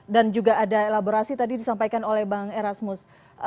dan juga ada elaborasi tadi disampaikan oleh bang erasmus